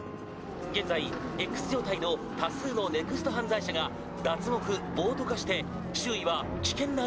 現在“Ｘ”状態の多数のＮＥＸＴ犯罪者が脱獄暴徒化して周囲は危険な状態です。